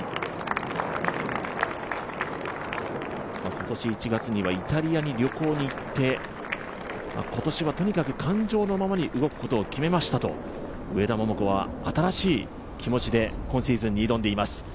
今年１月にはイタリアに旅行に行って今年はとにかく感情のままに動くことを決めましたと上田桃子は新しい気持ちで今シーズンに挑んでいます。